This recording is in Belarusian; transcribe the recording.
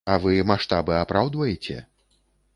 А вы маштабы апраўдваеце?